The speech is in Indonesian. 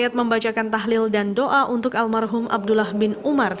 rakyat membacakan tahlil dan doa untuk almarhum abdullah bin umar